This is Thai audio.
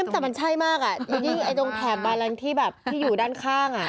แต่มันใช่มากโดยยิ่งแถมบารองที่อยู่ด้านข้าง